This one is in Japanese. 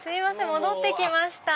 戻ってきました。